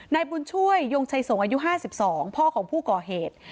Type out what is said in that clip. นายบุญช่วยยงชัยสงฆ์อายุ๕๒พ่อของผู้ก่อเหตุ